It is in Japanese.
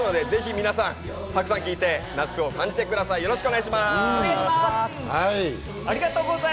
ぜひ皆さん、たくさん聴いて夏を感じてください。